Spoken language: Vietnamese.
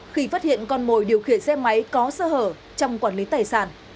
khi phát hiện con mồi điều khiển xe máy có sơ hở trong quản lý tài sản